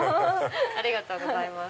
ありがとうございます。